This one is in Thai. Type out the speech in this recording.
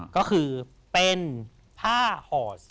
ก็คือเป็นผ้าห่อ